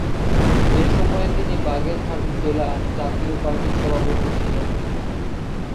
এ সময়ে তিনি বাগেরহাট জেলা জাতীয় পার্টির সভাপতি ছিলেন।